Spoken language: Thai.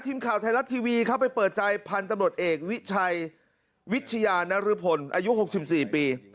ทีมข่าวไทยรัฐทีวีเข้าไปเปิดใจพันธุ์ตำรวจเอกวิชัยวิทยานรพลอายุ๖๔ปี